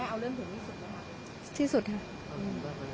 คุณแม่เอาเรื่องถึงที่สุดหรือเปล่า